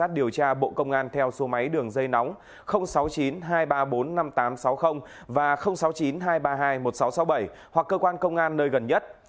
điều tra bộ công an theo số máy đường dây nóng sáu mươi chín hai trăm ba mươi bốn năm nghìn tám trăm sáu mươi và sáu mươi chín hai trăm ba mươi hai một nghìn sáu trăm sáu mươi bảy hoặc cơ quan công an nơi gần nhất